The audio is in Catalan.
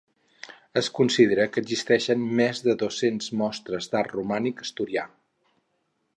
Es considera que existeixen més de dues-centes mostres d'art romànic asturià.